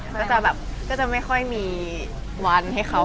ก็จะแบบก็จะไม่ค่อยมีวันให้เขา